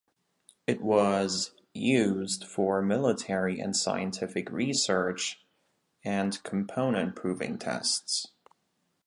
It was used for military and scientific research and component proving tests.